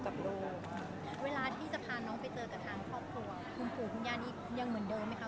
เวลาที่จะพาน้องไปเจอกับทางครอบครัวคุณปู่คุณย่านี้ยังเหมือนเดิมไหมคะ